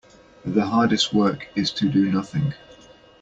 The hardest work is to do nothing.